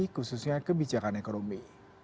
khususnya kebijakan ekonomi